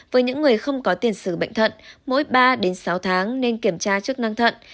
với những người không có tiền sử bệnh thận mỗi ba đến sáu tháng nên kiểm tra chức năng thận